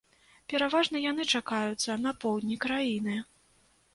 Пераважна яны чакаюцца на поўдні краіны.